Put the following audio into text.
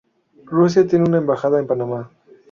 Rusia tiene una embajada en Panamá.